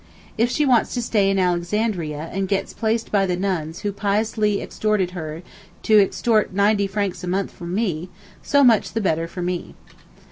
If she wants to stay in Alexandria and get placed by the nuns who piously exhorted her to extort ninety francs a month from me, so much the better for me.